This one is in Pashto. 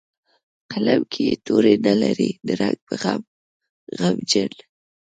قلم کې یې توري نه لري د رنګ په غم غمجن